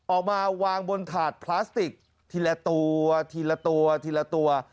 ออกมาวางบนถาดพลาสติกทีละตัวทีละตัวทีละตัว